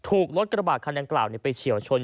ถูกรถกระบาดคันดังกล่าวไปเฉียวชน